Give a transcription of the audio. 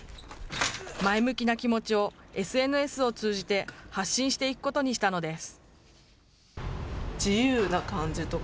前向きな気持ちをＳＮＳを通じて発信していくことにしたのです。